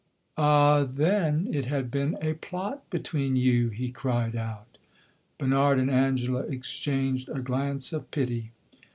"Ah, then, it had been a plot between you!" he cried out. Bernard and Angela exchanged a glance of pity.